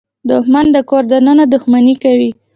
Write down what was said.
دښمن د کور دننه دښمني کوي